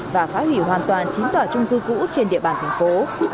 và phá hủy hoàn toàn chín tòa trung cư cũ trên địa bàn thành phố